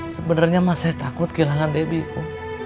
sebenernya mah saya takut kehilangan debbie